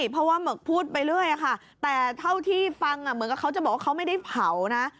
เพราะว่าหมึกพูดไปเรื่อยค่ะแต่เท่าที่ฟังเหมือนกับเขาจะบอกว่าเขาไม่ได้เผานะ